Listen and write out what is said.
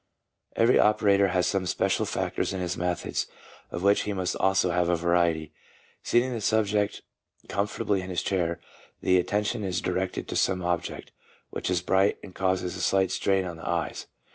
Every operator has some special factors in his methods, of which he must also have a variety. Seating the subject com fortably in a chair, the attention is directed to some object which is bright and causes a slight strain on the eyes.